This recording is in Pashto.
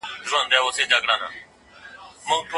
پدې اپلیکیشن کې کار وکړئ، کار کول یې پر موږ حق دی!